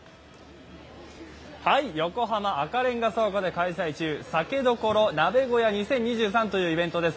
横浜赤レンガ倉庫で開催中、酒処鍋小屋２０２３というイベントです。